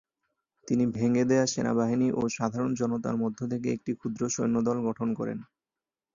তিনি ভেঙ্গে দেয়া সেনাবাহিনী ও সাধারণ জনতার মধ্য থেকে একটি ক্ষুদ্র সৈন্যদল গঠন করেন।